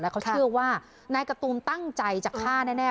เขาเชื่อว่านายกะตูมตั้งใจจะฆ่าแน่